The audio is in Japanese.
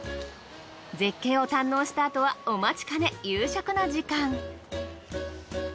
絶景を堪能したあとはお待ちかね夕食の時間。